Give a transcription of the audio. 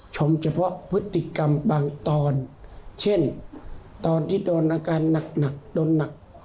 เฉพาะพฤติกรรมบางตอนเช่นตอนที่โดนอาการหนักโดนหนัก